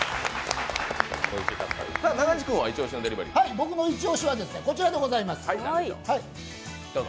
僕のイチオシはこちらでございます。